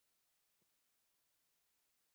منی د افغان نجونو د پرمختګ لپاره فرصتونه برابروي.